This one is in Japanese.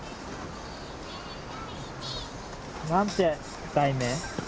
何て題名？